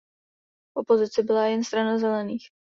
V opozici byla jen Strana zelených.